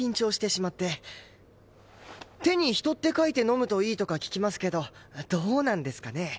手に「人」って書いてのむといいとか聞きますけどどうなんですかね？